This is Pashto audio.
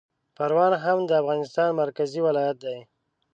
پروان هم د افغانستان مرکزي ولایت دی